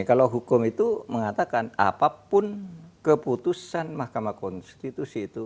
kalau hukum itu mengatakan apapun keputusan mk itu